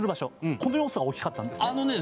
この要素が大きかったんですね